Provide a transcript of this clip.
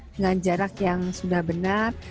dengan jarak yang sudah benar